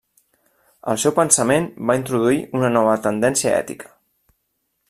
El seu pensament va introduir una nova tendència ètica.